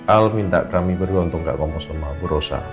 al minta kami berdua untuk gak ngomong sama abu rosa